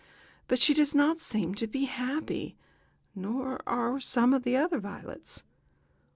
But she does not seem to be happy, nor are some of the other violets."